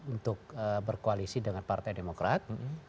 untuk berkoalisi dengan partai demokrat